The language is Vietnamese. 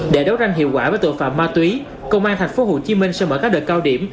để đấu tranh hiệu quả với tội phạm ma túy công an thành phố hồ chí minh sẽ mở các đợt cao điểm